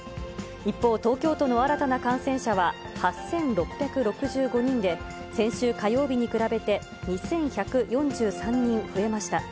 一方、東京都の新たな感染者は８６６５人で、先週火曜日に比べて、２１４３人増えました。